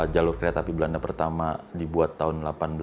jalur kereta api belanda pertama dibuat tahun seribu delapan ratus sembilan puluh